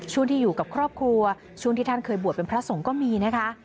ช่วงที่อยู่กับครอบครัวช่วงที่ท่านเคยบวชเป็นพระสงฆ์ก็มีนะคะ